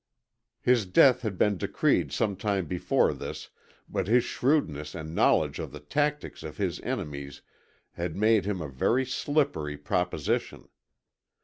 His death had been decreed some time before this, but his shrewdness and knowledge of the tactics of his enemies had made him a very slippery proposition.